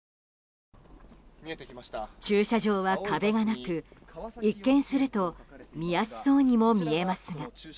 駐車場は壁がなく一見すると見やすそうにも見えますが。